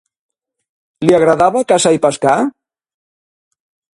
Li agradava caçar i pescar?